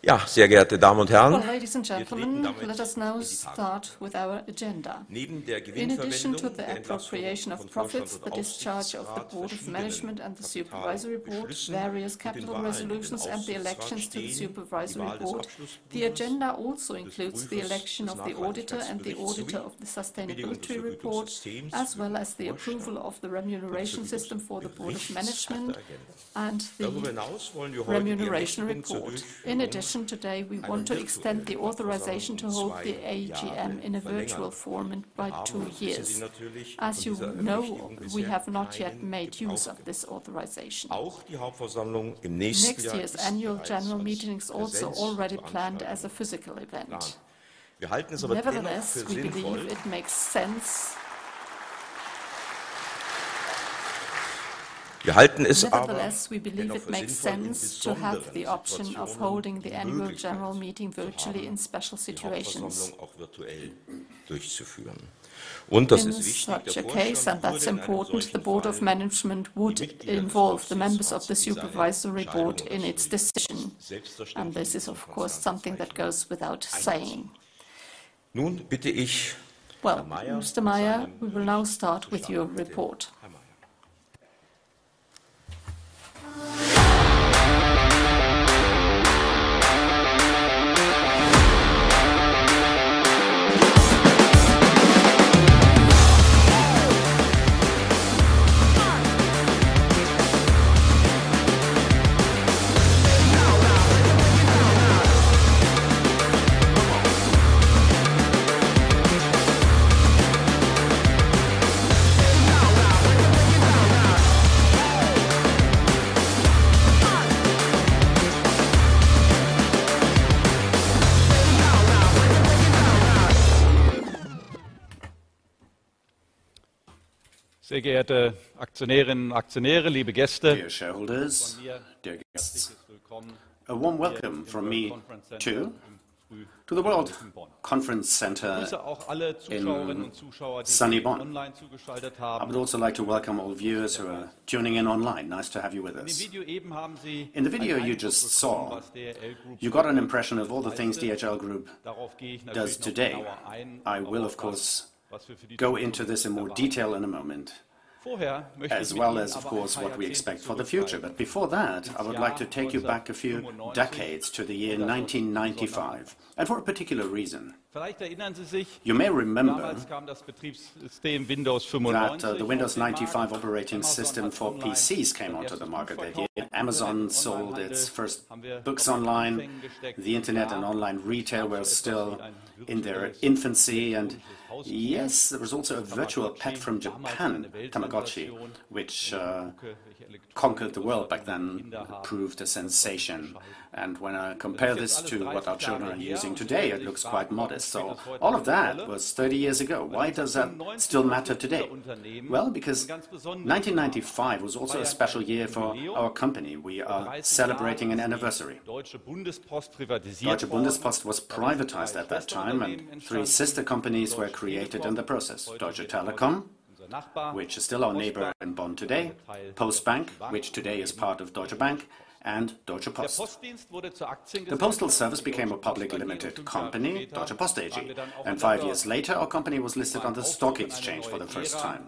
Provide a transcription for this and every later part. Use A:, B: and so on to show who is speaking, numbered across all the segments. A: Ladies and gentlemen, let us now start with our agenda. In addition to the appropriation of profits, the discharge of the Board of Management and the Supervisory Board, various capital resolutions, and the elections to the Supervisory Board, the agenda also includes the election of the auditor and the auditor of the Sustainability Report, as well as the approval of the remuneration system for the Board of Management and the remuneration report. In addition, today we want to extend the authorization to hold the AGM in a virtual form by two years. As you know, we have not yet made use of this authorization. Next year's annual General Meeting is also already planned as a physical event. Nevertheless, we believe it makes sense. Nevertheless, we believe it makes sense to have the option of holding the annual General Meeting virtually in special situations. This is such a case and that's important, the Board of Management would involve the members of the Supervisory Board in its decision, and this is of course something that goes without saying. Nun bitte ich, Herr Meyer, we will now start with your report.
B: Sehr geehrte Aktionärinnen und Aktionäre, liebe Gäste, a warm welcome from me to the World Conference Center, in sunny Bonn. I would also like to welcome all viewers who are tuning in online. Nice to have you with us. In the video you just saw, you got an impression of all the things DHL Group does today. I will, of course, go into this in more detail in a moment, as well as, of course, what we expect for the future. Before that, I would like to take you back a few decades to the year 1995, and for a particular reason. You may remember that the Windows 95 operating system for PCs came onto the market that year. Amazon sold its first books online. The Internet and online retail were still in their infancy. Yes, there was also a virtual pet from Japan, Tamagotchi, which conquered the world back then and proved a sensation. When I compare this to what our children are using today, it looks quite modest. All of that was 30 years ago. Why does that still matter today? 1995 was also a special year for our company. We are celebrating an anniversary. Deutsche Post was privatized at that time, and three sister companies were created in the process: Deutsche Telekom, which is still our neighbor in Bonn today; Postbank, which today is part of Deutsche Bank; and Deutsche Post. The Postal Service became a public limited company, Deutsche Post AG. Five years later, our company was listed on the stock exchange for the first time.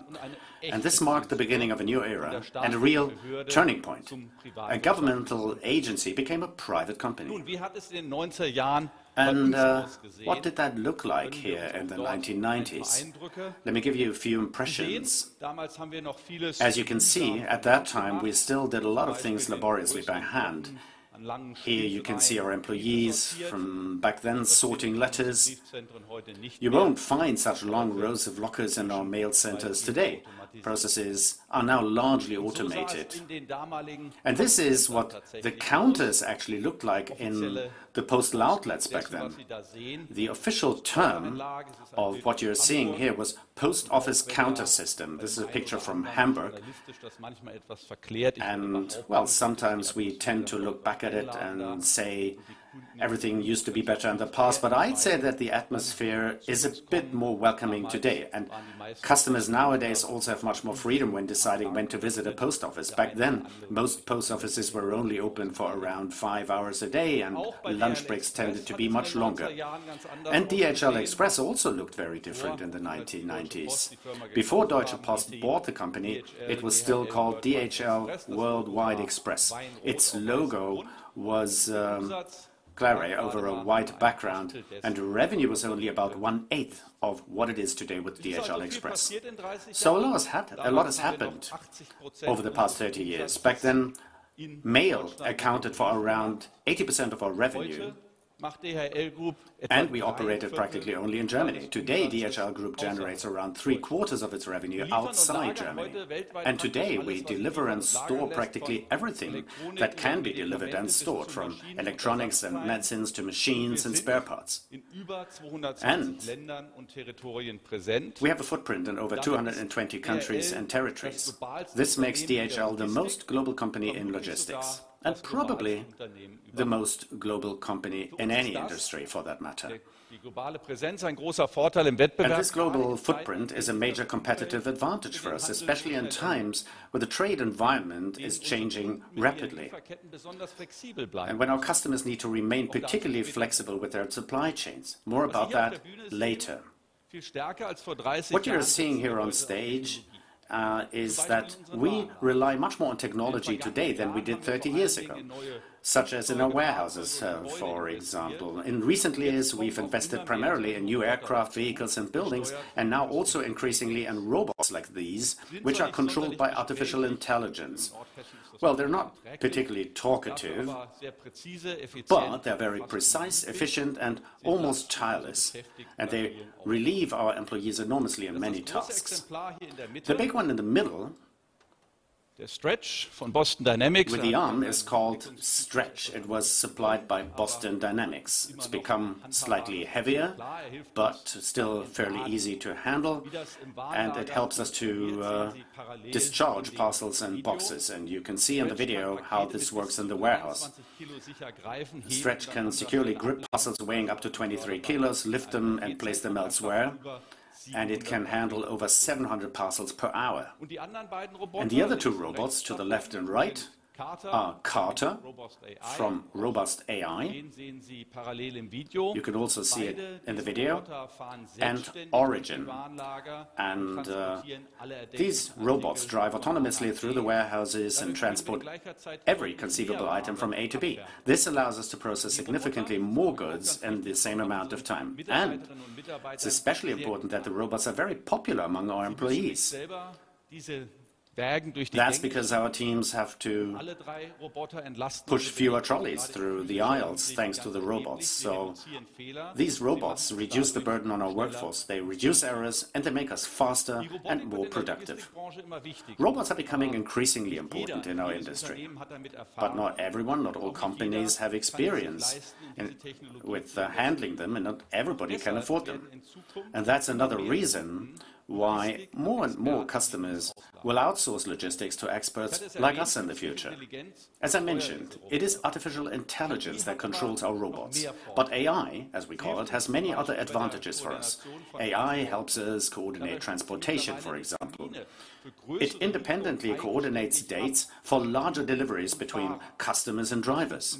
B: This marked the beginning of a new era and a real turning point. A governmental agency became a private company. What did that look like here in the 1990s? Let me give you a few impressions. As you can see, at that time, we still did a lot of things laboriously by hand. Here you can see our employees from back then sorting letters. You will not find such long rows of lockers in our mail centers today. Processes are now largely automated. This is what the counters actually looked like in the postal outlets back then. The official term of what you are seeing here was Post Office Counter System. This is a picture from Hamburg. Sometimes we tend to look back at it and say everything used to be better in the past. I'd say that the atmosphere is a bit more welcoming today. And customers nowadays also have much more freedom when deciding when to visit a post office. Back then, most post offices were only open for around five hours a day, and lunch breaks tended to be much longer. DHL Express also looked very different in the 1990s. Before Deutsche Post bought the company, it was still called DHL Worldwide Express. Its logo was glaring over a white background, and revenue was only about one-eighth of what it is today with DHL Express. A lot has happened over the past 30 years. Back then, mail accounted for around 80% of our revenue, and we operated practically only in Germany. Today, DHL Group generates around three-quarters of its revenue outside Germany. Today, we deliver and store practically everything that can be delivered and stored, from electronics and medicines to machines and spare parts. We have a footprint in over 220 countries and territories. This makes DHL the most global company in logistics and probably the most global company in any industry, for that matter. This global footprint is a major competitive advantage for us, especially in times when the trade environment is changing rapidly. When our customers need to remain particularly flexible with their supply chains. More about that later. What you're seeing here on stage is that we rely much more on technology today than we did 30 years ago, such as in our warehouses, for example. In recent years, we've invested primarily in new aircraft, vehicles, and buildings, and now also increasingly in robots like these, which are controlled by artificial intelligence. They're not particularly talkative, but they're very precise, efficient, and almost tireless. They relieve our employees enormously in many tasks. The big one in the middle, with the arm, is called Stretch. It was supplied by Boston Dynamics. It's become slightly heavier, but still fairly easy to handle. It helps us to discharge parcels and boxes. You can see in the video how this works in the warehouse. Stretch can securely grip parcels weighing up to 23 kg, lift them, and place them elsewhere. It can handle over 700 parcels per hour. The other two robots to the left and right are Carter from Robust AI. You can also see it in the video. And Origin. These robots drive autonomously through the warehouses and transport every conceivable item from A to B. This allows us to process significantly more goods in the same amount of time. It is especially important that the robots are very popular among our employees. That is because our teams have to push fewer trolleys through the aisles thanks to the robots. These robots reduce the burden on our workforce. They reduce errors, and they make us faster and more productive. Robots are becoming increasingly important in our industry. But not everyone, not all companies have experience with handling them, and not everybody can afford them. That is another reason why more and more customers will outsource logistics to experts like us in the future. As I mentioned, it is artificial intelligence that controls our robots. AI, as we call it, has many other advantages for us. AI helps us coordinate transportation, for example. It independently coordinates dates for larger deliveries between customers and drivers.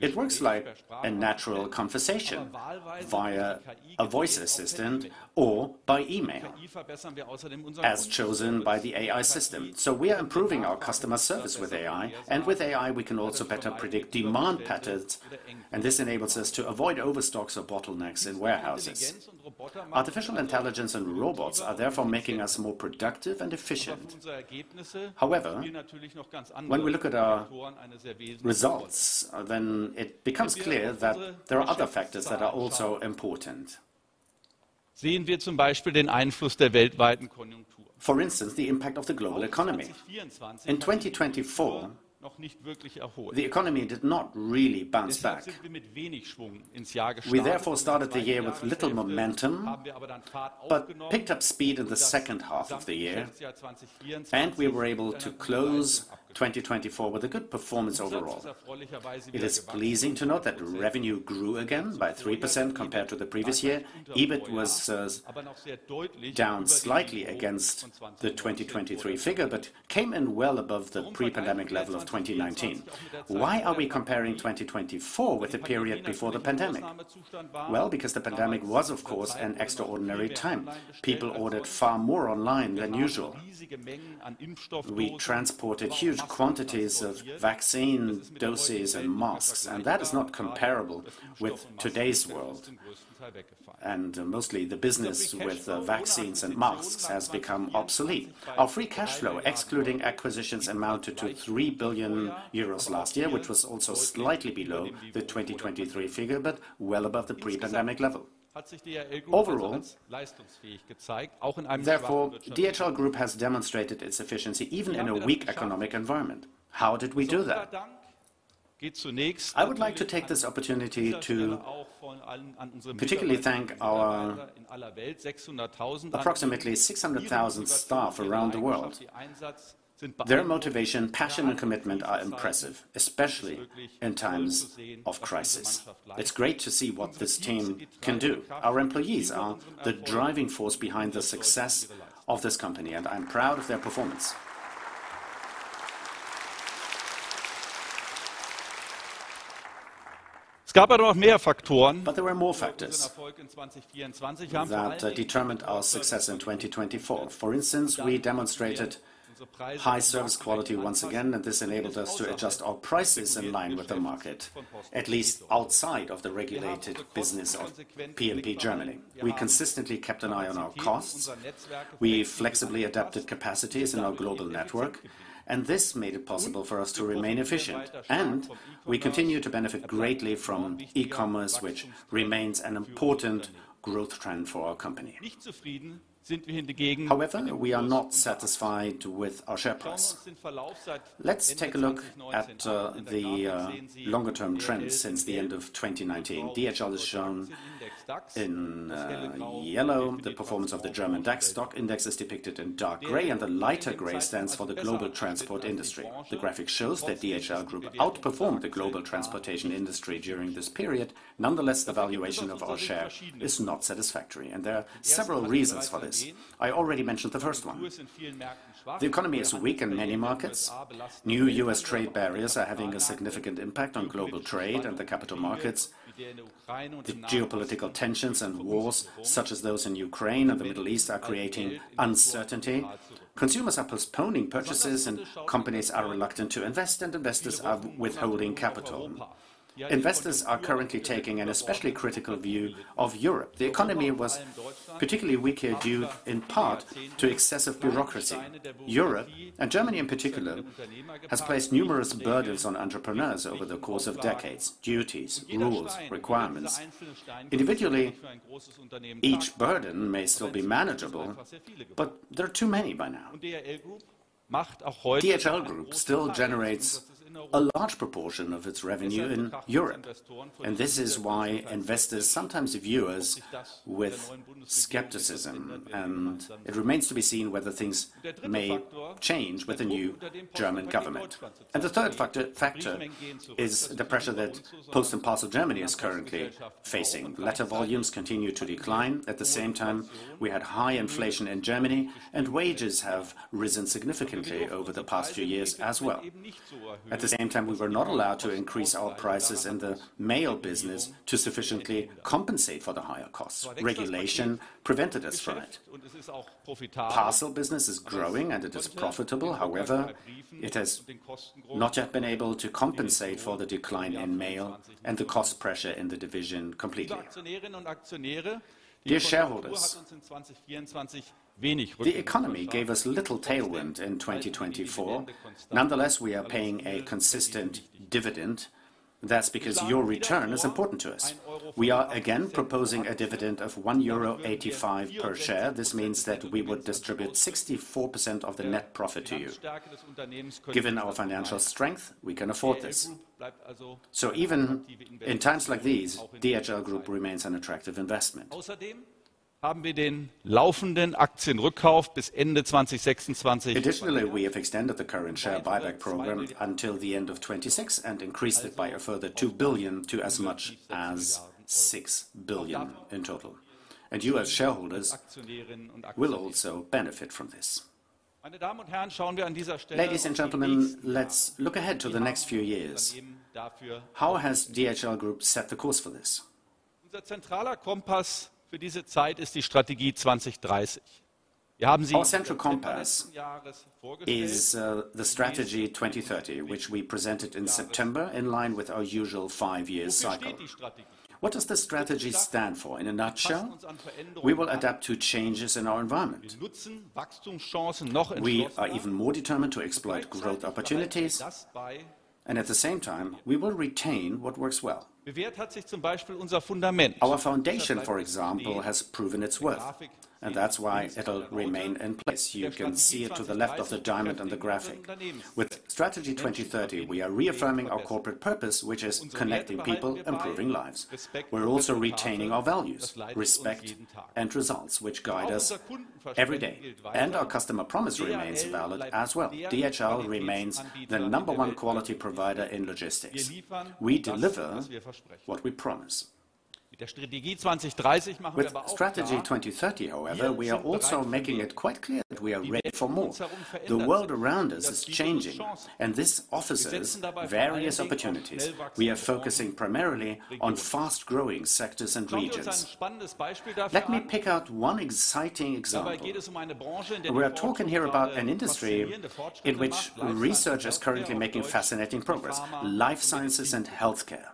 B: It works like a natural conversation via a voice assistant or by email, as chosen by the AI system. We are improving our customer service with AI. With AI, we can also better predict demand patterns. This enables us to avoid overstocks or bottlenecks in warehouses. Artificial intelligence and robots are therefore making us more productive and efficient. However, when we look at our results, then it becomes clear that there are other factors that are also important. For instance, the impact of the global economy. In 2024, the economy did not really bounce back. We therefore started the year with little momentum, but picked up speed in the second half of the year. We were able to close 2024 with a good performance overall. It is pleasing to note that revenue grew again by 3% compared to the previous year. EBIT was down slightly against the 2023 figure, but came in well above the pre-pandemic level of 2019. Why are we comparing 2024 with the period before the pandemic? Well, because the pandemic was, of course, an extraordinary time. People ordered far more online than usual. We transported huge quantities of vaccine doses and masks. That is not comparable with today's world. Mostly, the business with vaccines and masks has become obsolete. Our free cash flow, excluding acquisitions, amounted to 3 billion euros last year, which was also slightly below the 2023 figure, but well above the pre-pandemic level. Overall, therefore, DHL Group has demonstrated its efficiency even in a weak economic environment. How did we do that? I would like to take this opportunity to particularly thank our approximately 600,000 staff around the world. Their motivation, passion, and commitment are impressive, especially in times of crisis. It's great to see what this team can do. Our employees are the driving force behind the success of this company. I'm proud of their performance. There were more factors that determined our success in 2024. For instance, we demonstrated high service quality once again. This enabled us to adjust our prices in line with the market, at least outside of the regulated business of P&P Germany. We consistently kept an eye on our costs. We flexibly adapted capacities in our global network. This made it possible for us to remain efficient. We continue to benefit greatly from e-commerce, which remains an important growth trend for our company. However, we are not satisfied with our share price. Let's take a look at the longer-term trends since the end of 2019. DHL is shown in yellow. The performance of the German DAX stock index is depicted in dark gray. The lighter gray stands for the global transport industry. The graphic shows that DHL Group outperformed the global transportation industry during this period. Nonetheless, the valuation of our share is not satisfactory. There are several reasons for this. I already mentioned the first one. The economy has weakened in many markets. New US trade barriers are having a significant impact on global trade and the capital markets. The geopolitical tensions and wars, such as those in Ukraine and the Middle East, are creating uncertainty. Consumers are postponing purchases, and companies are reluctant to invest, and investors are withholding capital. Investors are currently taking an especially critical view of Europe. The economy was particularly weak here due, in part, to excessive bureaucracy. Europe, and Germany in particular, has placed numerous burdens on entrepreneurs over the course of decades: duties, rules, requirements. Individually, each burden may still be manageable, but there are too many by now. DHL Group still generates a large proportion of its revenue in Europe. This is why investors sometimes view us with skepticism. It remains to be seen whether things may change with the new German government. The third factor is the pressure that Post and Parcel Germany is currently facing. Letter volumes continue to decline. At the same time, we had high inflation in Germany, and wages have risen significantly over the past few years as well. At the same time, we were not allowed to increase our prices in the mail business to sufficiently compensate for the higher costs. Regulation prevented us from it. Parcel business is growing, and it is profitable. However, it has not yet been able to compensate for the decline in mail and the cost pressure in the division completely. Dear shareholders, the economy gave us little tailwind in 2024. Nonetheless, we are paying a consistent dividend. That's because your return is important to us. We are again proposing a dividend of 1.85 euro per share. This means that we would distribute 64% of the net profit to you. Given our financial strength, we can afford this. So even in times like these, DHL Group remains an attractive investment. Additionally, we have extended the current share buyback program until the end of 2026 and increased it by a further 2 billion to as much as 6 billion in total. You, as shareholders, will also benefit from this. Ladies and gentlemen, let's look ahead to the next few years. How has DHL Group set the course for this? Our central compass is the Strategy 2030, which we presented in September in line with our usual five-year cycle. What does the strategy stand for in a nutshell? We will adapt to changes in our environment. We are even more determined to exploit growth opportunities. And at the same time, we will retain what works well. Our foundation, for example, has proven its worth. That is why it will remain in place. You can see it to the left of the diamond on the graphic. With Strategy 2030, we are reaffirming our corporate purpose, which is connecting people, improving lives. We are also retaining our values, respect, and results, which guide us every day. An our customer promise remains valid as well. DHL remains the number one quality provider in logistics. We deliver what we promise. With Strategy 2030, however, we are also making it quite clear that we are ready for more. The world around us is changing, and this offers us various opportunities. We are focusing primarily on fast-growing sectors and regions. Let me pick out one exciting example. We are talking here about an industry in which research is currently making fascinating progress: life sciences and healthcare.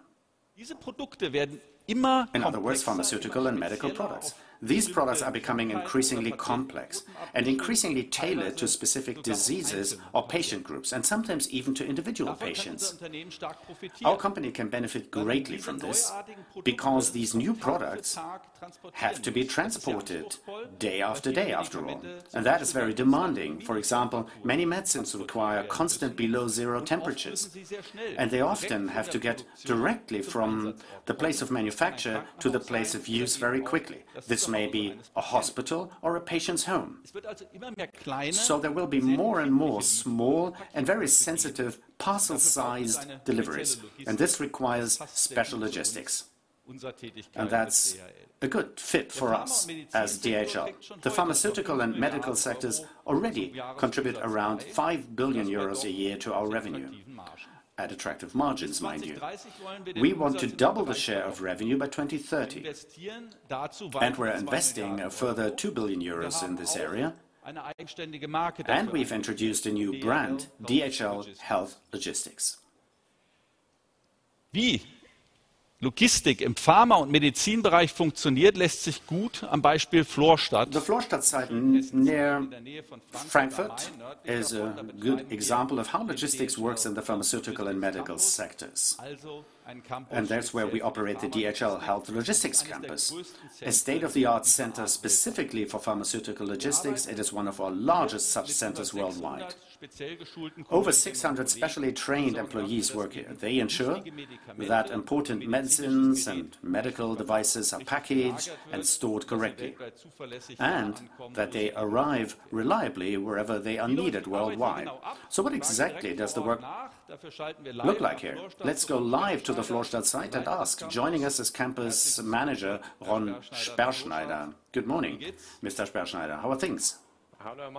B: In other words, pharmaceutical and medical products. These products are becoming increasingly complex and increasingly tailored to specific diseases or patient groups, and sometimes even to individual patients. Our company can benefit greatly from this because these new products have to be transported day after day, after all. That is very demanding. For example, many medicines require constant below-zero temperatures. They often have to get directly from the place of manufacture to the place of use very quickly. This may be a hospital or a patient's home. There will be more and more small and very sensitive parcel-sized deliveries and this requires special logistics. That is a good fit for us as DHL. The pharmaceutical and medical sectors already contribute around 5 billion euros a year to our revenue. At attractive margins, mind you. We want to double the share of revenue by 2030. We are investing a further 2 billion euros in this area. And we've introduced a new brand, DHL Health Logistics. Wie Logistik im Pharma- und Medizinbereich funktioniert, lässt sich gut am Beispiel Florstadt zeigen. The Florstadt site near Frankfurt is a good example of how logistics works in the pharmaceutical and medical sectors. That is where we operate the DHL Health Logistics Campus, a state-of-the-art center specifically for pharmaceutical logistics. It is one of our largest sub-centers worldwide. Over 600 specially trained employees work here. They ensure that important medicines and medical devices are packaged and stored correctly, and that they arrive reliably wherever they are needed worldwide. What exactly does the work look like here? Let's go live to the Florstadt site and ask. Joining us is Campus Manager Ron Sperschneider. Good morning, Mr. Sperschneider. How are things?
C: Hello,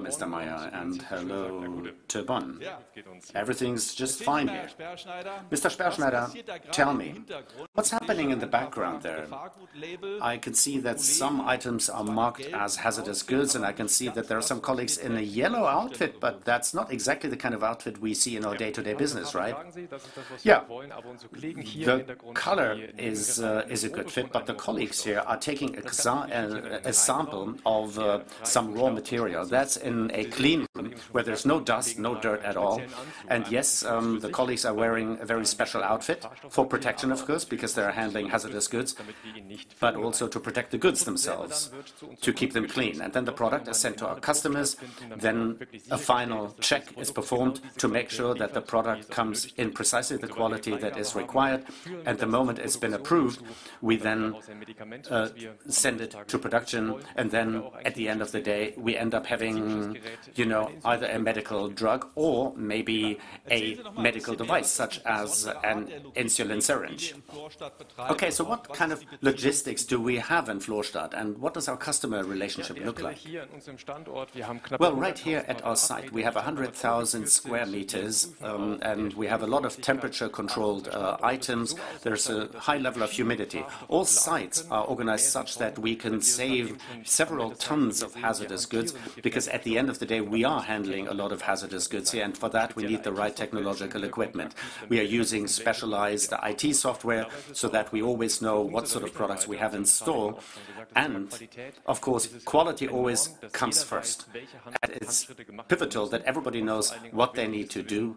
C: Mr. Meyer, and hello to Bonn. Everything's just fine here.
B: Mr. Sperschneider, tell me, what's happening in the background there? I can see that some items are marked as hazardous goods, and I can see that there are some colleagues in a yellow outfit, but that's not exactly the kind of outfit we see in our day-to-day business, right?
C: Yeah, the color is a good fit, but the colleagues here are taking a sample of some raw material. That's in a clean room where there's no dust, no dirt at all. Yes, the colleagues are wearing a very special outfit for protection, of course, because they're handling hazardous goods, but also to protect the goods themselves, to keep them clean. And then the product is sent to our customers. A final check is performed to make sure that the product comes in precisely the quality that is required. And the moment it's been approved, we then send it to production. And then at the end of the day, we end up having, you know, either a medical drug or maybe a medical device, such as an insulin syringe.
B: Okay. What kind of logistics do we have in Florstadt? And what does our customer relationship look like?
C: Well, right here at our site, we have 100,000 sq m, and we have a lot of temperature-controlled items. There's a high level of humidity. All sites are organized such that we can save several tons of hazardous goods because at the end of the day, we are handling a lot of hazardous goods here. And for that, we need the right technological equipment. We are using specialized IT software so that we always know what sort of products we have in store. And of course, quality always comes first. That is pivotal that everybody knows what they need to do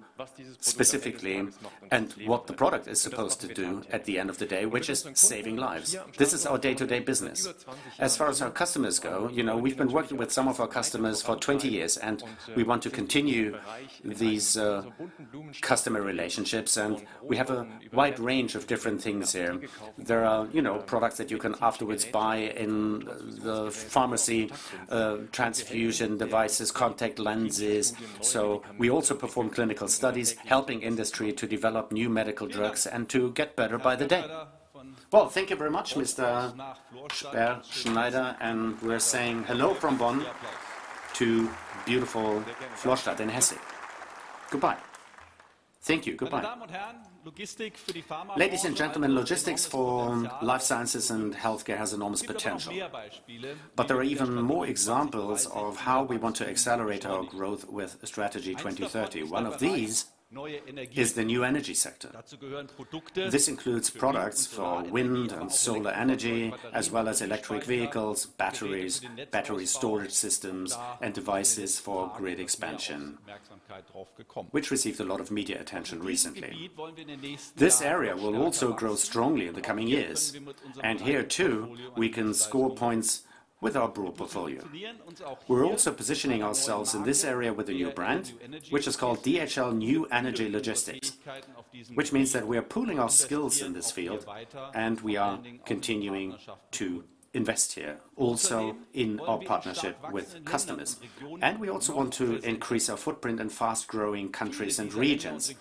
C: specifically and what the product is supposed to do at the end of the day, which is saving lives. This is our day-to-day business. As far as our customers go, you know, we've been working with some of our customers for 20 years, and we want to continue these customer relationships and we have a wide range of different things here. There are, you know, products that you can afterwards buy in the pharmacy: transfusion devices, contact lenses. We also perform clinical studies, helping industry to develop new medical drugs and to get better by the day.
B: Thank you very much, Mr. Sperschneider. We're saying hello from Bonn to beautiful Florstadt in Hesse. Goodbye. Thank you. Goodbye. Ladies and gentlemen, logistics for life sciences and healthcare has enormous potential. There are even more examples of how we want to accelerate our growth with Strategy 2030. One of these is the new energy sector. This includes products for wind and solar energy, as well as electric vehicles, batteries, battery storage systems, and devices for grid expansion, which received a lot of media attention recently. This area will also grow strongly in the coming years. Here, too, we can score points with our board portfolio. We're also positioning ourselves in this area with a new brand, which is called DHL New Energy Logistics, which means that we are pooling our skills in this field, and we are continuing to invest here, also in our partnership with customers. We also want to increase our footprint in fast-growing countries and regions,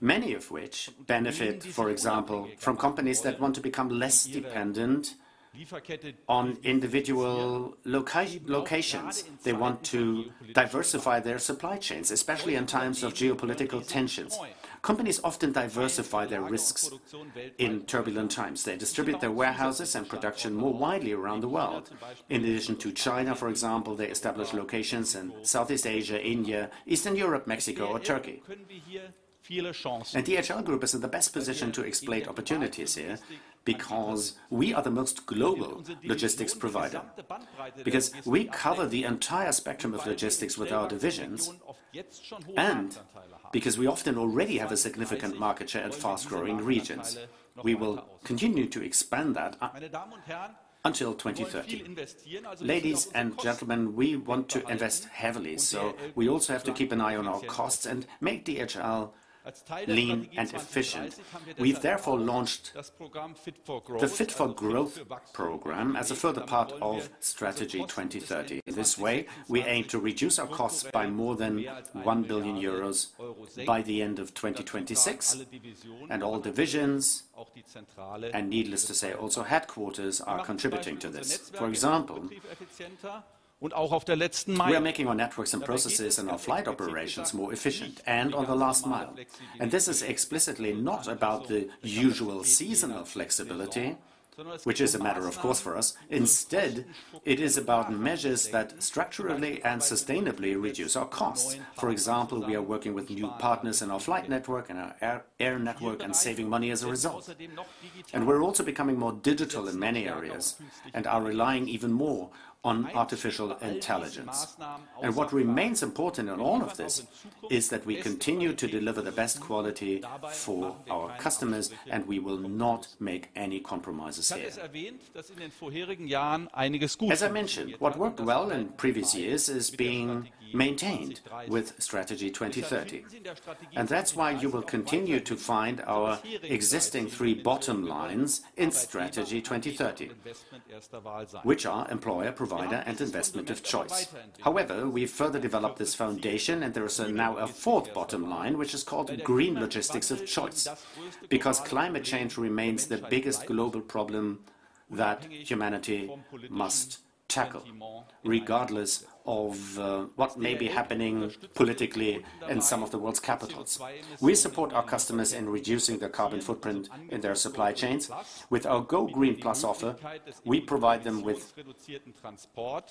B: many of which benefit, for example, from companies that want to become less dependent on individual locations. They want to diversify their supply chains, especially in times of geopolitical tensions. Companies often diversify their risks in turbulent times. They distribute their warehouses and production more widely around the world. In addition to China, for example, they establish locations in Southeast Asia, India, Eastern Europe, Mexico, or Turkey. DHL Group is in the best position to exploit opportunities here because we are the most global logistics provider. Because we cover the entire spectrum of logistics with our divisions, and because we often already have a significant market share in fast-growing regions, we will continue to expand that until 2030. Ladies and gentlemen, we want to invest heavily, so we also have to keep an eye on our costs and make DHL lean and efficient. We've therefore launched the Fit for Growth program as a further part of Strategy 2030. In this way, we aim to reduce our costs by more than 1 billion euros by the end of 2026. All divisions, and needless to say, also headquarters, are contributing to this. For example, we are making our networks and processes and our flight operations more efficient and on the last mile. This is explicitly not about the usual seasonal flexibility, which is a matter of course for us. Instead, it is about measures that structurally and sustainably reduce our costs. For example, we are working with new partners in our flight network and our air network and saving money as a result. We are also becoming more digital in many areas and are relying even more on artificial intelligence. What remains important in all of this is that we continue to deliver the best quality for our customers, and we will not make any compromises here. As I mentioned, what worked well in previous years is being maintained with Strategy 2030. That is why you will continue to find our existing three bottom lines in Strategy 2030, which are employer, provider, and investment of choice. However, we have further developed this foundation, and there is now a fourth bottom line, which is called green logistics of choice, because climate change remains the biggest global problem that humanity must tackle, regardless of what may be happening politically in some of the world's capitals. We support our customers in reducing their carbon footprint in their supply chains. With our GoGreen Plus offer, we provide them with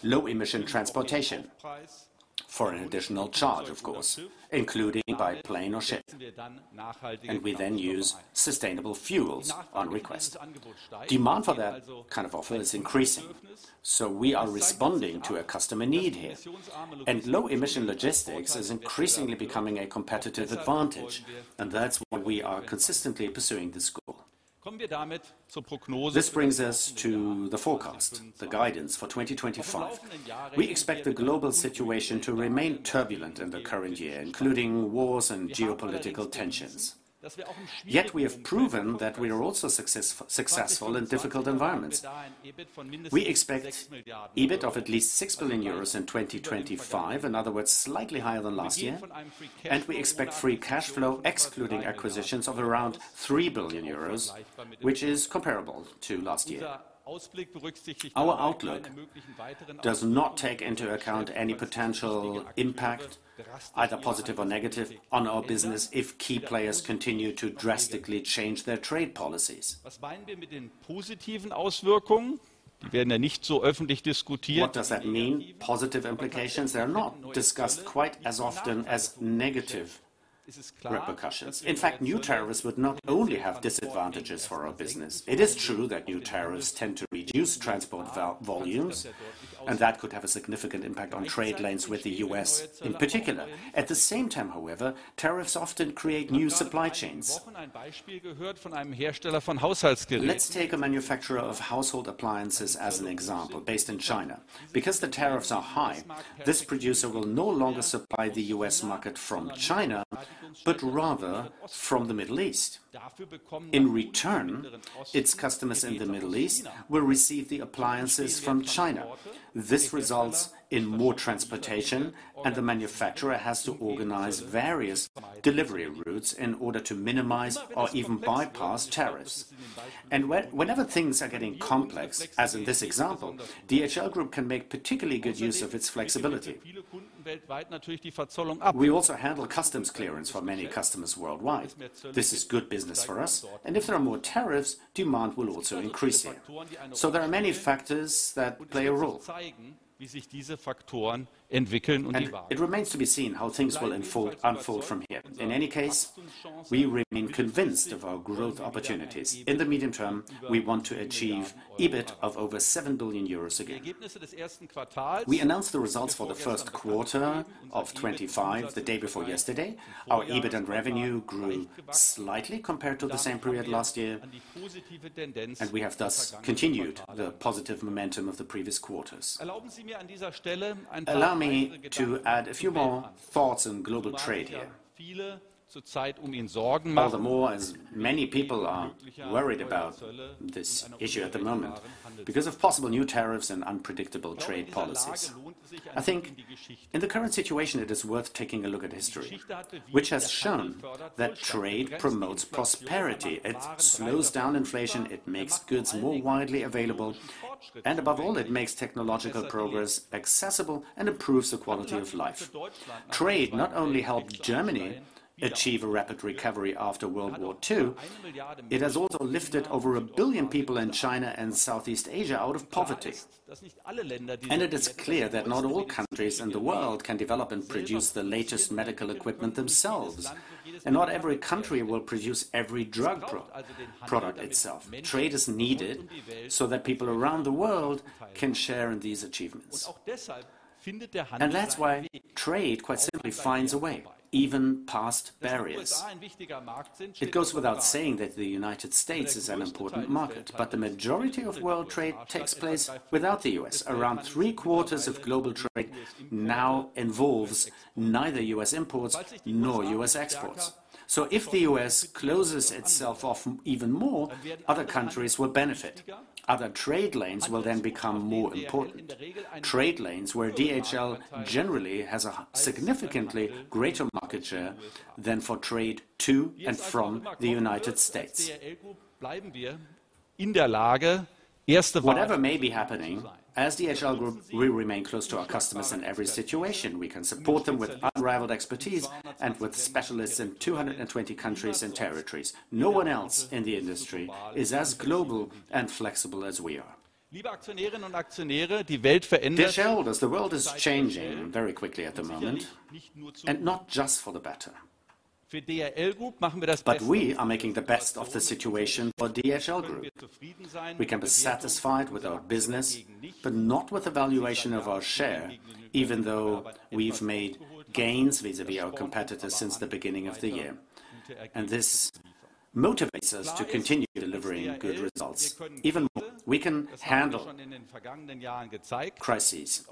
B: low-emission transportation for an additional charge, of course, including by plane or ship. We then use sustainable fuels on request. Demand for that kind of offer is increasing, so we are responding to a customer need here. And low-emission logistics is increasingly becoming a competitive advantage, and that is why we are consistently pursuing this goal. This brings us to the forecast, the guidance for 2025. We expect the global situation to remain turbulent in the current year, including wars and geopolitical tensions. Yet we have proven that we are also successful in difficult environments. We expect EBIT of at least 6 billion euros in 2025, in other words, slightly higher than last year. And we expect free cash flow, excluding acquisitions, of around 3 billion euros, which is comparable to last year. Our outlook does not take into account any potential impact, either positive or negative, on our business if key players continue to drastically change their trade policies. What does that mean? Positive implications are not discussed quite as often as negative repercussions. In fact, new tariffs would not only have disadvantages for our business. It is true that new tariffs tend to reduce transport volumes, and that could have a significant impact on trade lanes with the US in particular. At the same time, however, tariffs often create new supply chains. Let's take a manufacturer of household appliances as an example, based in China. Because the tariffs are high, this producer will no longer supply the US market from China, but rather from the Middle East. In return, its customers in the Middle East will receive the appliances from China. This results in more transportation, and the manufacturer has to organize various delivery routes in order to minimize or even bypass tariffs. Whenever things are getting complex, as in this example, DHL Group can make particularly good use of its flexibility. We also handle customs clearance for many customers worldwide. This is good business for us. If there are more tariffs, demand will also increase here. There are many factors that play a role. It remains to be seen how things will unfold from here. In any case, we remain convinced of our growth opportunities. In the medium term, we want to achieve EBIT of over 7 billion euros again. We announced the results for the first quarter of 2025 the day before yesterday. Our EBIT and revenue grew slightly compared to the same period last year. We have thus continued the positive momentum of the previous quarters. Allow me to add a few more thoughts on global trade here. All the more, as many people are worried about this issue at the moment because of possible new tariffs and unpredictable trade policies. I think in the current situation, it is worth taking a look at history, which has shown that trade promotes prosperity. It slows down inflation, it makes goods more widely available, and above all, it makes technological progress accessible and improves the quality of life. Trade not only helped Germany achieve a rapid recovery after World War II, it has also lifted over a billion people in China and Southeast Asia out of poverty. And it is clear that not all countries in the world can develop and produce the latest medical equipment themselves. Not every country will produce every drug product itself. Trade is needed so that people around the world can share in these achievements. That is why trade, quite simply, finds a way, even past barriers. It goes without saying that the United States is an important market, but the majority of world trade takes place without the US. Around three quarters of global trade now involves neither US imports nor US exports. If the US closes itself off even more, other countries will benefit. Other trade lanes will then become more important. Trade lanes where DHL generally has a significantly greater market share than for trade to and from the United States. Whatever may be happening, as DHL Group, we remain close to our customers in every situation. We can support them with unrivaled expertise and with specialists in 220 countries and territories. No one else in the industry is as global and flexible as we are. DHL tells us the world is changing very quickly at the moment, and not just for the better. We are making the best of the situation for DHL Group. We can be satisfied with our business, but not with the valuation of our share, even though we've made gains vis-à-vis our competitors since the beginning of the year. This motivates us to continue delivering good results, even. We can handle crises,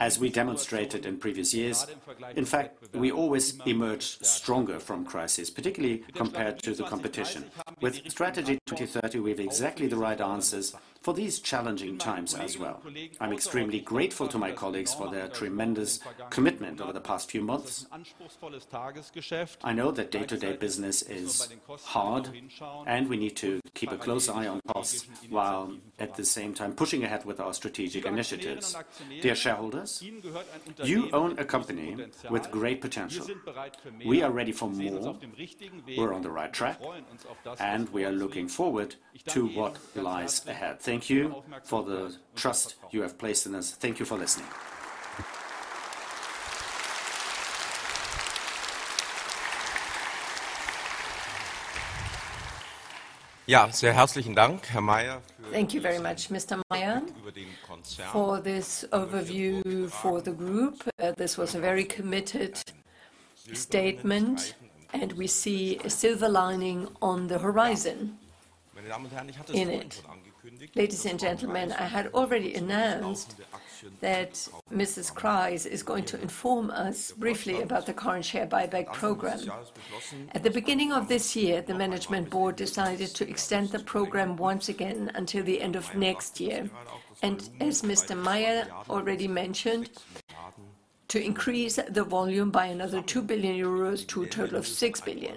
B: as we demonstrated in previous years. In fact, we always emerge stronger from crises, particularly compared to the competition. With Strategy 2030, we have exactly the right answers for these challenging times as well. I'm extremely grateful to my colleagues for their tremendous commitment over the past few months. I know that day-to-day business is hard, and we need to keep a close eye on costs while at the same time pushing ahead with our strategic initiatives. Dear shareholders, you own a company with great potential. We are ready for more. We're on the right track, and we are looking forward to what lies ahead. Thank you for the trust you have placed in us. Thank you for listening.
D: Ja, sehr herzlichen Dank, Herr Meyer. Thank you very much, Mr. Meyer, for this overview for the group. This was a very committed statement, and we see a silver lining on the horizon. Ladies and gentlemen, I had already announced that Mrs. Kreis is going to inform us briefly about the current share buyback program. At the beginning of this year, the Management Board decided to extend the program once again until the end of next year. As Mr. Meyer already mentioned, to increase the volume by another 2 billion euros to a total of 6 billion,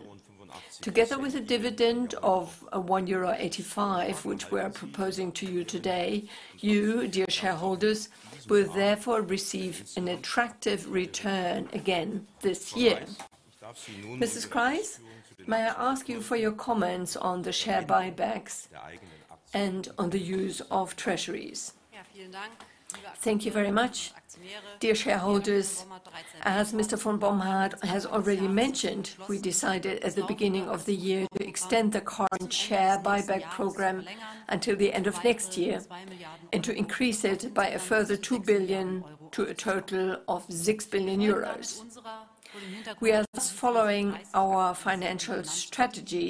D: together with a dividend of 1.85 euro, which we are proposing to you today, you, dear shareholders, will therefore receive an attractive return again this year. Mrs. Kreis, may I ask you for your comments on the share buybacks and on the use of treasuries?
E: Thank you very much. Dear shareholders, as Mr. von Bomhard has already mentioned, we decided at the beginning of the year to extend the current share buyback program until the end of next year and to increase it by a further 2 billion to a total of 6 billion euros. We are thus following our financial strategy,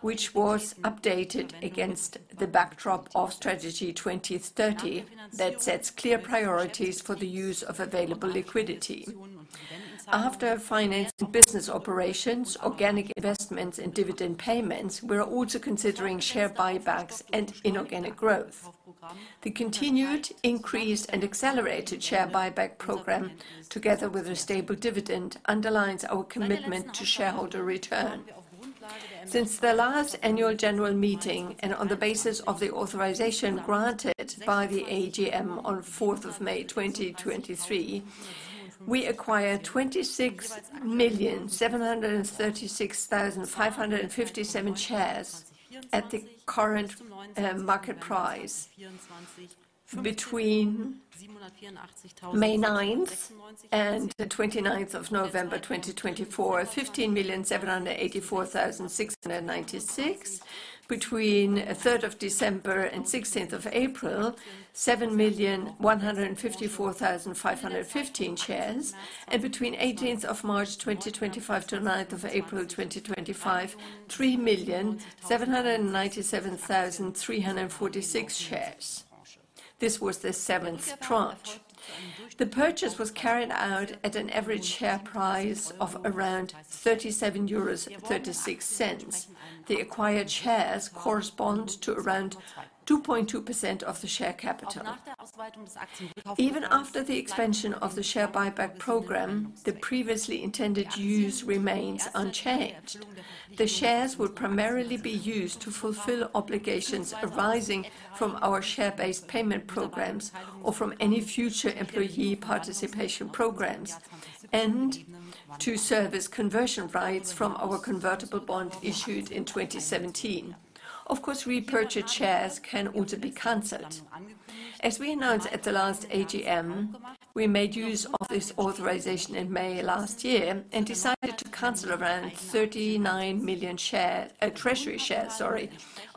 E: which was updated against the backdrop of Strategy 2030 that sets clear priorities for the use of available liquidity. After financing business operations, organic investments, and dividend payments, we are also considering share buybacks and inorganic growth. The continued increased and accelerated share buyback program, together with a stable dividend, underlines our commitment to shareholder return. Since the last annual general meeting and on the basis of the authorization granted by the AGM on 4 May 2023, we acquired 26,736,557 shares at the current market price between 9 May and 29 November 2024, 15,784,696 between 3 December and 16 April, 7,154,515 shares, and between 18 March 2025 to 9 April 2025, 3,797,346 shares. This was the seventh tranche. The purchase was carried out at an average share price of around 37.36 euros. The acquired shares correspond to around 2.2% of the share capital. Even after the expansion of the share buyback program, the previously intended use remains unchanged. The shares would primarily be used to fulfill obligations arising from our share-based payment programs or from any future employee participation programs and to service conversion rights from our convertible bond issued in 2017. Of course, repurchased shares can also be canceled. As we announced at the last AGM, we made use of this authorization in May last year and decided to cancel around 39 million shares, treasury shares, sorry,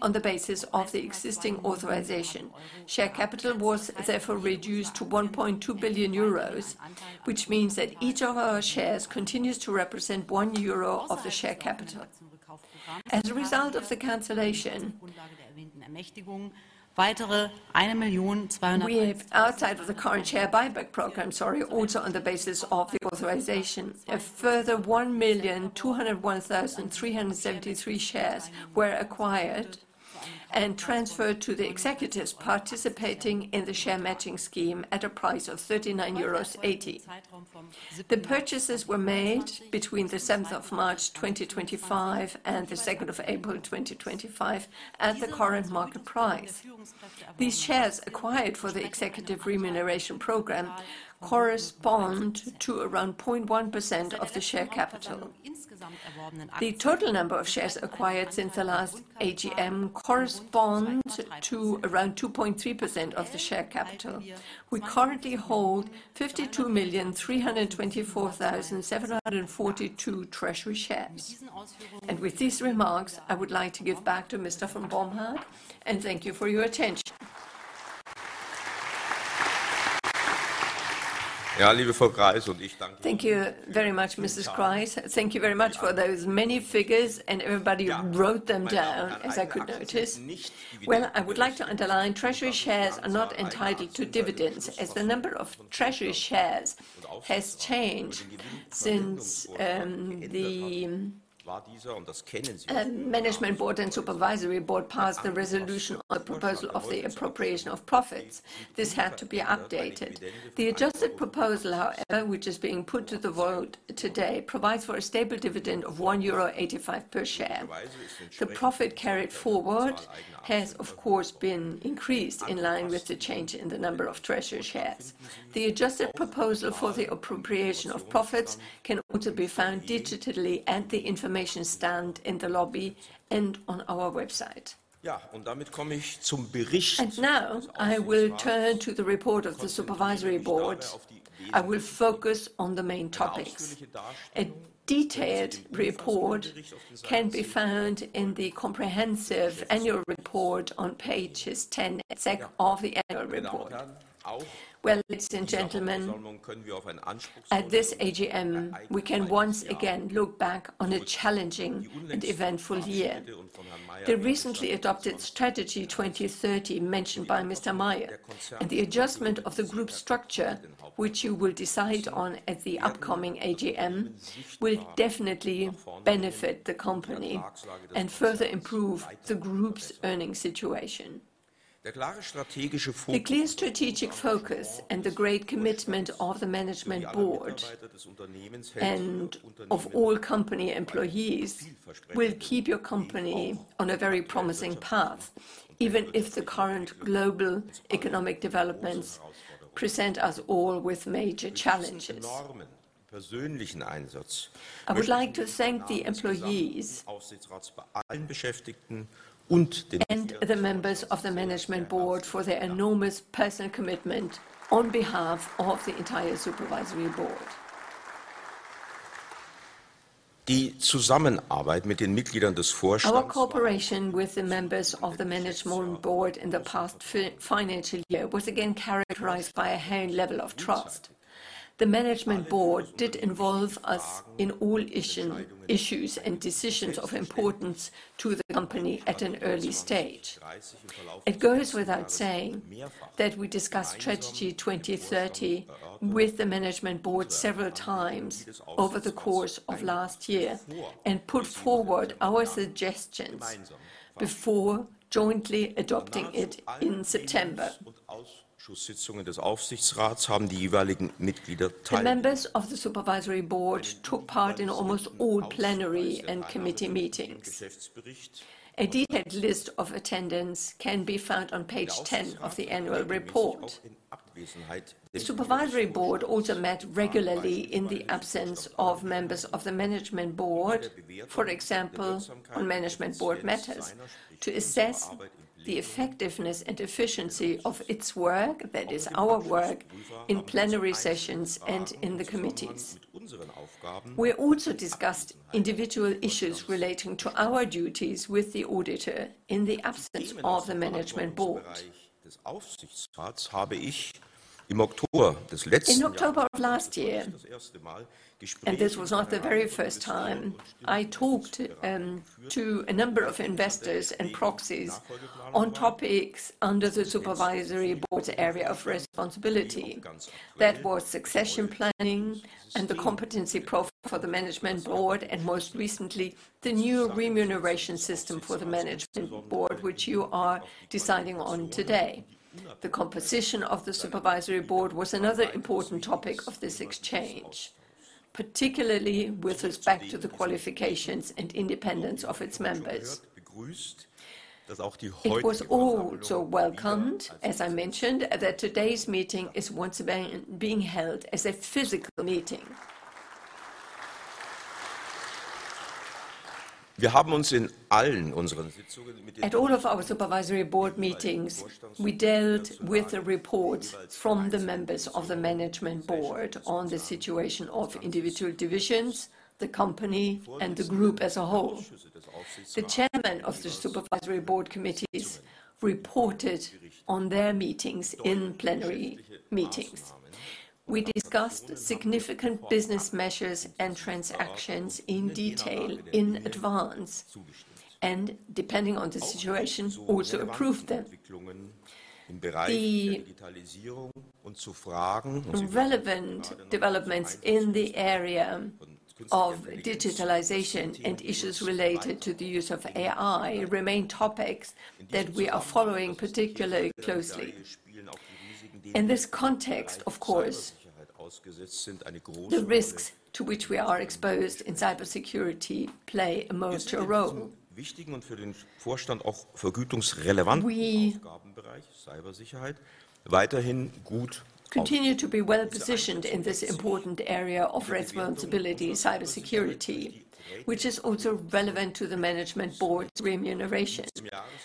E: on the basis of the existing authorization. Share capital was therefore reduced to 1.2 billion euros, which means that each of our shares continues to represent 1 euro of the share capital. As a result of the cancellation, we have, outside of the current share buyback program, sorry, also on the basis of the authorization, a further 1,201,373 shares were acquired and transferred to the executives participating in the share matching scheme at a price of 39.80 euros. The purchases were made between 7 March 2025 and 2 April 2025 at the current market price. These shares acquired for the executive remuneration program correspond to around 0.1% of the share capital. The total number of shares acquired since the last AGM corresponds to around 2.3% of the share capital. We currently hold 52,324,742 treasury shares. With these remarks, I would like to give back to Mr. von Bomhard and thank you for your attention.
D: Ja, liebe Frau Kreis, und ich danke. Thank you very much, Mrs. Kreis. Thank you very much for those many figures, and everybody wrote them down, as I could notice. Well, I would like to underline treasury shares are not entitled to dividends, as the number of treasury shares has changed since the Management Board and Supervisory Board passed the resolution on the proposal of the appropriation of profits. This had to be updated. The adjusted proposal, however, which is being put to the vote today, provides for a stable dividend of 1.85 euro per share. The profit carried forward has, of course, been increased in line with the change in the number of treasury shares. The adjusted proposal for the appropriation of profits can also be found digitally at the information stand in the lobby and on our website. Ja, und damit komme ich zum Bericht. I will turn to the report of the Supervisory Board. I will focus on the main topics. A detailed report can be found in the comprehensive annual report on pages 10. [Exec] of the annual report. Ladies and gentlemen, at this AGM, we can once again look back on a challenging and eventful year. The recently adopted Strategy 2030 mentioned by Mr. Meyer and the adjustment of the group structure, which you will decide on at the upcoming AGM, will definitely benefit the company and further improve the group's earnings situation. Der klare strategische Fokus. The clear strategic focus and the great commitment of the Management Board and of all company employees will keep your company on a very promising path, even if the current global economic developments present us all with major challenges. I would like to thank the employees and the members of the Management Board for their enormous personal commitment on behalf of the entire Supervisory Board. Die Zusammenarbeit mit den Mitgliedern des Vorstands. Our cooperation with the members of the Management Board in the past financial year was again characterized by a high level of trust. The Management Board did involve us in all issues and decisions of importance to the company at an early stage. It goes without saying that we discussed Strategy 2030 with the Management Board several times over the course of last year and put forward our suggestions before jointly adopting it in September. The members of the Supervisory Board took part in almost all plenary and committee meetings. A detailed list of attendance can be found on page 10 of the annual report. The Supervisory Board also met regularly in the absence of members of the Management Board, for example, on Management Board matters, to assess the effectiveness and efficiency of its work, that is, our work, in plenary sessions and in the committees. We also discussed individual issues relating to our duties with the auditor in the absence of the Management Board. In October of last year, and this was not the very first time, I talked to a number of investors and proxies on topics under the Supervisory Board's area of responsibility. That was succession planning and the competency profile for the Management Board, and most recently, the new remuneration system for the Management Board, which you are deciding on today. The composition of the Supervisory Board was another important topic of this exchange, particularly with respect to the qualifications and independence of its members. It was also welcomed, as I mentioned, that today's meeting is once again being held as a physical meeting. Wir haben uns in all our Supervisory Board meetings, we dealt with the reports from the members of the Management Board on the situation of individual divisions, the company, and the group as a whole. The chairmen of the Supervisory Board committees reported on their meetings in plenary meetings. We discussed significant business measures and transactions in detail in advance and, depending on the situation, also approved them. Some relevant developments in the area of digitalization and issues related to the use of AI remain topics that we are following particularly closely. In this context, of course, the risks to which we are exposed in cybersecurity play a major role. We continue to be well positioned in this important area of responsibility, cybersecurity, which is also relevant to the Management Board's remuneration.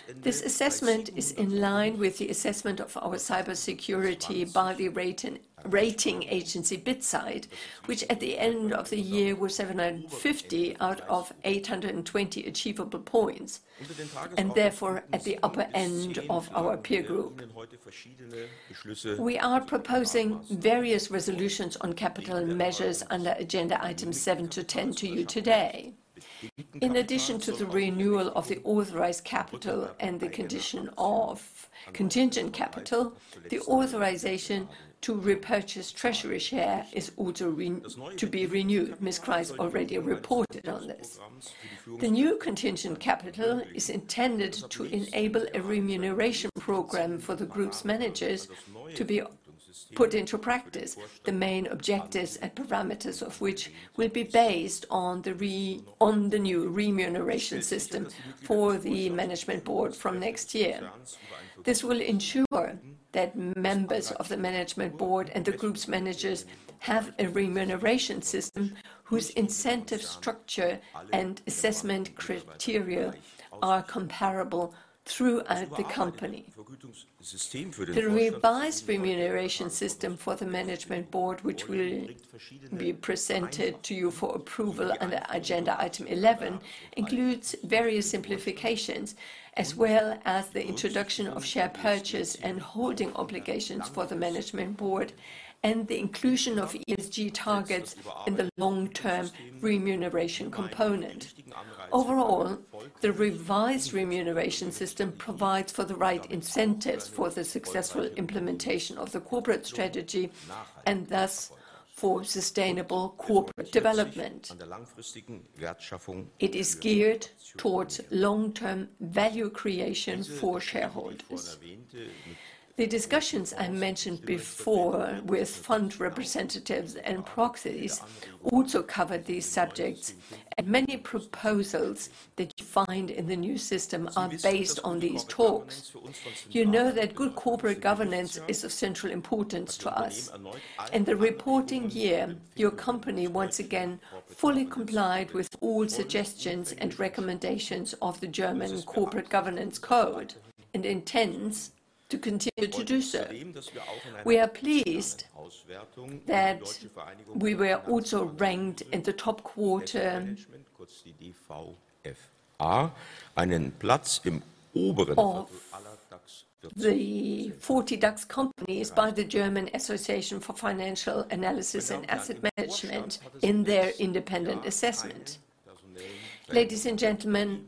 D: This assessment is in line with the assessment of our cybersecurity by the rating agency BitSight, which at the end of the year was 750 out of 820 achievable points and therefore at the upper end of our peer group. We are proposing various resolutions on capital measures under agenda items 7 to 10 to you today. In addition to the renewal of the authorized capital and the condition of contingent capital, the authorization to repurchase treasury shares is also to be renewed. Ms. Kreis already reported on this. The new contingent capital is intended to enable a remuneration program for the group's managers to be put into practice, the main objectives and parameters of which will be based on the new remuneration system for the Management Board from next year. This will ensure that members of the Management Board and the group's managers have a remuneration system whose incentive structure and assessment criteria are comparable throughout the company. The revised remuneration system for the Management Board, which will be presented to you for approval under agenda item 11, includes various simplifications, as well as the introduction of share purchase and holding obligations for the Management Board and the inclusion of ESG targets in the long-term remuneration component. Overall, the revised remuneration system provides for the right incentives for the successful implementation of the corporate strategy and thus for sustainable corporate development. It is geared towards long-term value creation for shareholders. The discussions I mentioned before with fund representatives and proxies also cover these subjects, and many proposals that you find in the new system are based on these talks. You know that good corporate governance is of central importance to us. In the reporting year, your company once again fully complied with all suggestions and recommendations of the German corporate governance code and intends to continue to do so. We are pleased that we were also ranked in the top quarter of the 40 DAX companies by the German Association for Financial Analysis and Asset Management in their independent assessment. Ladies and gentlemen,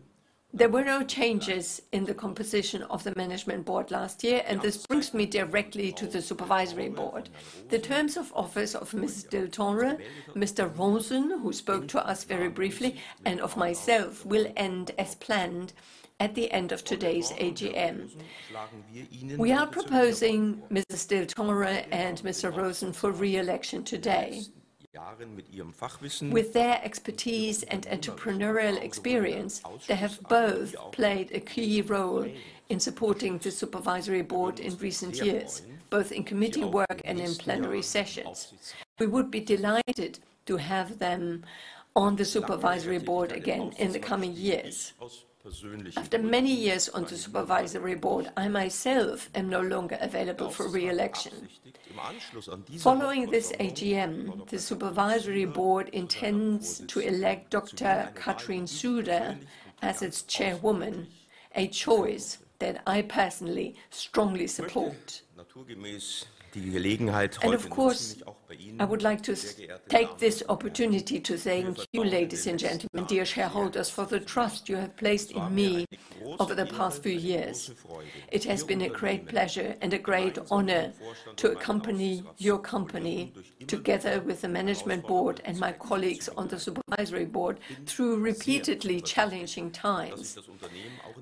D: there were no changes in the composition of the Management Board last year, and this brings me directly to the Supervisory Board. The terms of office of Ms. Döring, Mr. Rosen, who spoke to us very briefly, and of myself will end as planned at the end of today's AGM. We are proposing Ms. Döring and Mr. Rosen for re-election today. With their expertise and entrepreneurial experience, they have both played a key role in supporting the Supervisory Board in recent years, both in committee work and in plenary sessions. We would be delighted to have them on the Supervisory Board again in the coming years. After many years on the Supervisory Board, I myself am no longer available for re-election. Following this AGM, the Supervisory Board intends to elect Dr. Katrin Suder as its Chairwoman, a choice that I personally strongly support. Of course, I would like to take this opportunity to thank you, ladies and gentlemen, dear shareholders, for the trust you have placed in me over the past few years. It has been a great pleasure and a great honor to accompany your company together with the Management Board and my colleagues on the Supervisory Board through repeatedly challenging times.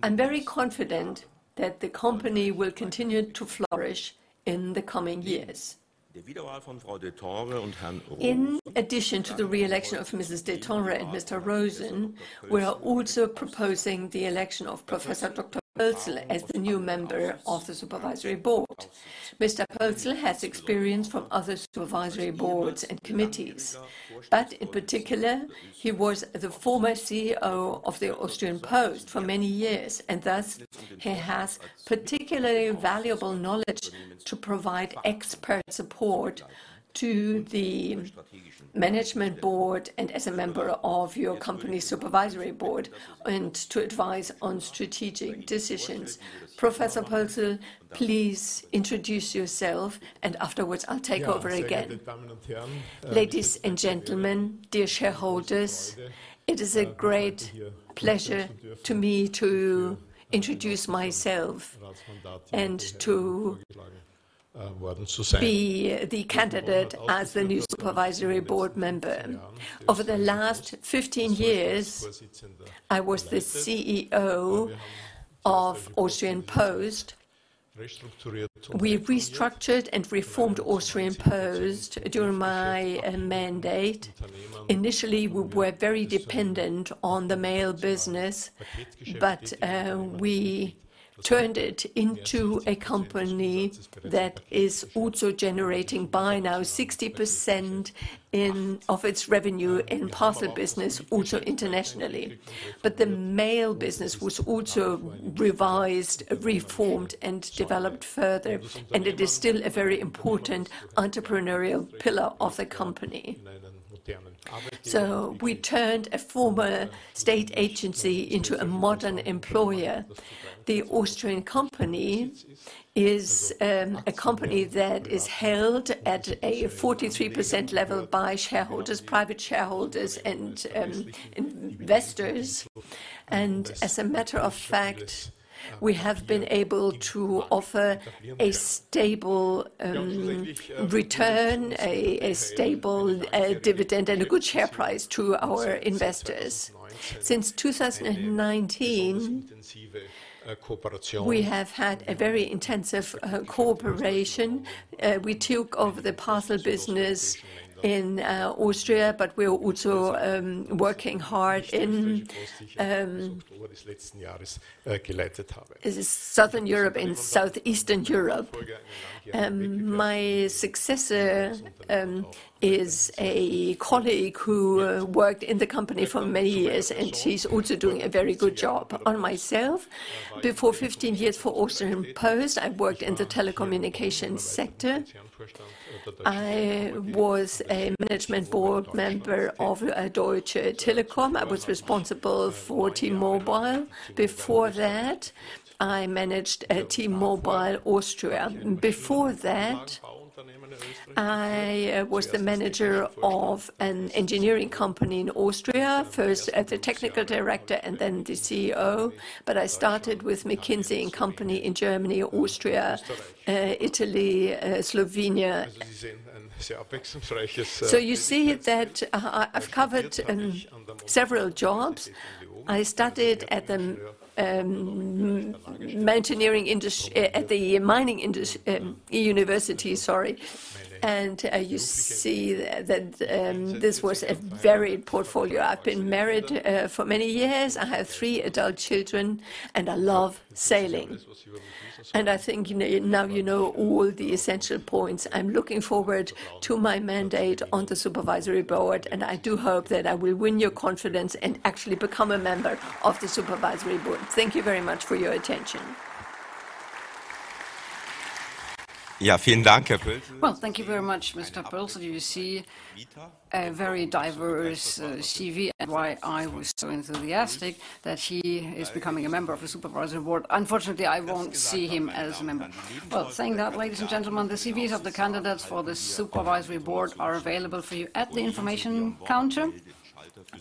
D: I'm very confident that the company will continue to flourish in the coming years. In addition to the re-election of Mrs. Döring and Mr. Rosen, we are also proposing the election of Professor Dr. Pölzl as the new member of the Supervisory Board. Mr. Pölzl has experience from other Supervisory Boards and committees, but in particular, he was the former CEO of Austrian Post for many years, and thus he has particularly valuable knowledge to provide expert support to the Management Board and as a member of your company's Supervisory Board and to advise on strategic decisions. Professor Pölzl, please introduce yourself, and afterwards I'll take over again.
F: Ladies and gentlemen, dear shareholders, it is a great pleasure to me to introduce myself and to be the candidate as the new Supervisory Board member. Over the last 15 years, I was the CEO of Austrian Post. We restructured and reformed Austrian Post during my mandate. Initially, we were very dependent on the mail business, but we turned it into a company that is also generating by now 60% of its revenue in parcel business, also internationally. The mail business was also revised, reformed, and developed further, and it is still a very important entrepreneurial pillar of the company. We turned a former state agency into a modern employer. The Austrian company is a company that is held at a 43% level by shareholders, private shareholders, and investors. As a matter of fact, we have been able to offer a stable return, a stable dividend, and a good share price to our investors. Since 2019, we have had a very intensive cooperation. We took over the parcel business in Austria, but we are also working hard in Southern Europe and Southeastern Europe. My successor is a colleague who worked in the company for many years, and she's also doing a very good job. On myself, before 15 years for Austrian Post, I worked in the telecommunications sector. I was a Management Board member of Deutsche Telekom. I was responsible for T-Mobile. Before that, I managed T-Mobile Austria. Before that, I was the manager of an engineering company in Austria, first as the technical director and then the CEO, but I started with McKinsey & Company in Germany, Austria, Italy, Slovenia. You see that I've covered several jobs. I studied at the mining university, sorry, and you see that this was a varied portfolio. I've been married for many years. I have three adult children, and I love sailing. I think now you know all the essential points. I'm looking forward to my mandate on the Supervisory Board, and I do hope that I will win your confidence and actually become a member of the Supervisory Board. Thank you very much for your attention.
D: Ja, vielen Dank, Herr Pölzl. Thank you very much, Mr. Pölzl. You see a very diverse CV. Why I was so enthusiastic that he is becoming a member of the Supervisory Board. Unfortunately, I won't see him as a member. Saying that, ladies and gentlemen, the CVs of the candidates for the Supervisory Board are available for you at the information counter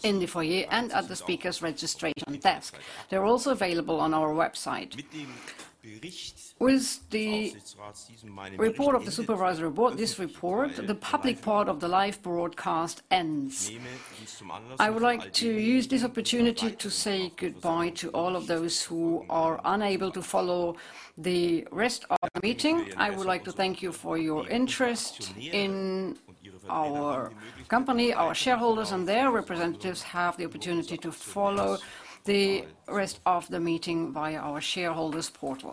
D: in the foyer and at the speaker's registration desk. They're also available on our website. With the report of the Supervisory Board, this report, the public part of the live broadcast ends. I would like to use this opportunity to say goodbye to all of those who are unable to follow the rest of the meeting. I would like to thank you for your interest in our company. Our shareholders and their representatives have the opportunity to follow the rest of the meeting via our shareholders' portal.